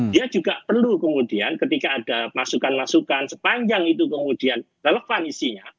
dia juga perlu kemudian ketika ada masukan masukan sepanjang itu kemudian relevan isinya